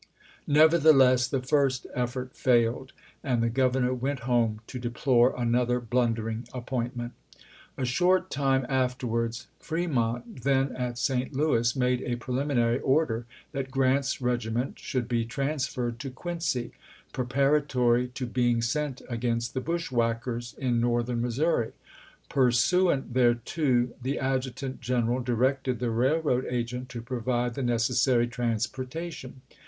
Neverthe less, the first effort failed, and the Governor went home to deplore another blundering appointment. A short time afterwards Fremont (then at St. Louis) made a preliminary order that Grant's regiment should be transferred to Quincy, pre paratory to being sent against the bushwhackers in northern Missouri. Pursuant thereto the adju tant general directed the railroad agent to provide the necessary transportation.